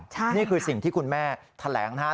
ใช่นี่คือสิ่งที่คุณแม่แถลงนะครับ